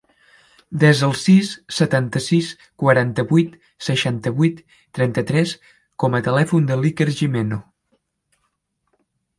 Desa el sis, setanta-sis, quaranta-vuit, seixanta-vuit, trenta-tres com a telèfon de l'Iker Gimeno.